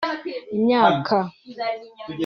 imyaka